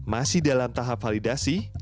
masih dalam tahap validasi